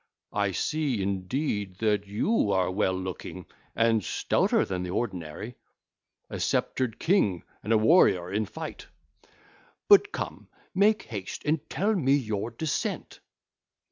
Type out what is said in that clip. I see, indeed, that you are well looking and stouter than the ordinary, a sceptred king and a warrior in fight; but, come, make haste and tell me your descent.